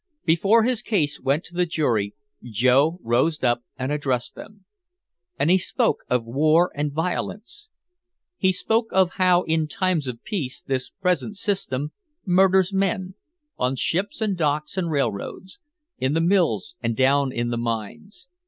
Before his case went to the jury, Joe rose up and addressed them. And he spoke of war and violence. He spoke of how in times of peace this present system murders men on ships and docks and railroads, in the mills and down in the mines.